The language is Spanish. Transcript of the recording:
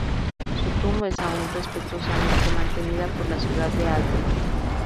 Su tumba es aún respetuosamente mantenida por la ciudad de Aalborg.